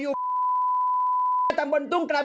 เลขบัญชีธนาคาร